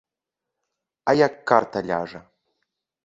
А як карта ляжа!